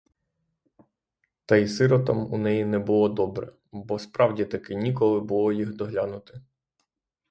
Та й сиротам у неї не було добре, бо справді-таки ніколи було їх доглянути.